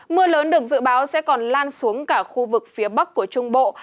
mưa lớn được dự báo sẽ còn lan xuống cả khu vực phía bắc của trung bộ